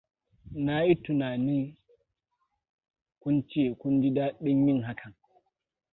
Na yi tunani kun ce kun ji daɗin yin hakan.